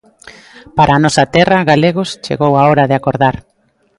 Para a nosa Terra, galegos, chegou a hora de acordar.